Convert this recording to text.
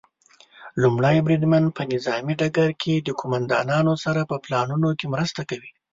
لومړی بریدمن په نظامي ډګر کې د قوماندانانو سره په پلانونو کې مرسته کوي.